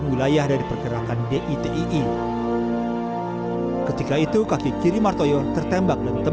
dulu bila keluar dari medio yang tidak terkenal